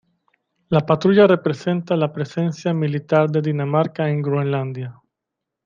La patrulla representa la presencia militar de Dinamarca en Groenlandia.